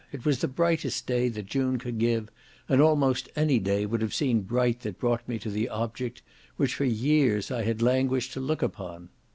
It was the brightest day that June could give; and almost any day would have seemed bright that brought me to the object, which for years, I had languished to look upon.